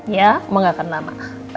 ya oma gak akan lama